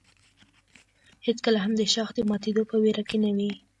هېڅکله هم د شاخ د ماتېدو په ویره کې نه وي.